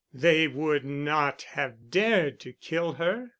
They would not have dared to kill her.